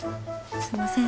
すんません